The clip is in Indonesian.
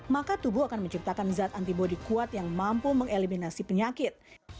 maka tubuh akan menciptakan zat antibody kuat yang mampu mengeliminasi penyakit